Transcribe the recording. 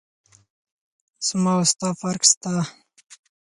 زما او ستا فرق سته.